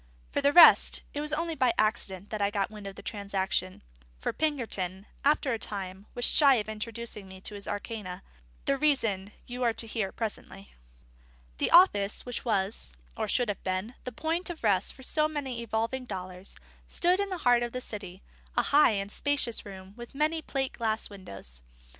For the rest, it was only by accident I got wind of the transaction; for Pinkerton, after a time, was shy of introducing me to his arcana: the reason you are to hear presently. The office which was (or should have been) the point of rest for so many evolving dollars stood in the heart of the city: a high and spacious room, with many plate glass windows.